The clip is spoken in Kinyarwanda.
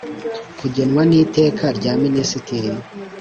Kugenwa n iteka rya minisitiri